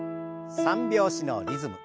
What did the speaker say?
３拍子のリズム。